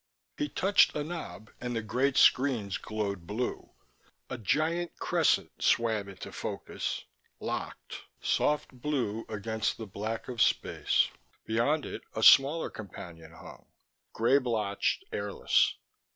He touched a knob and the great screens glowed blue. A giant crescent swam into focus, locked; soft blue against the black of space. Beyond it a smaller companion hung, gray blotched, airless.